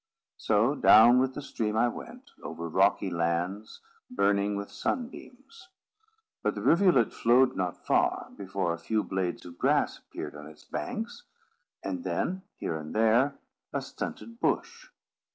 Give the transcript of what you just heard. So down with the stream I went, over rocky lands, burning with sunbeams. But the rivulet flowed not far, before a few blades of grass appeared on its banks, and then, here and there, a stunted bush.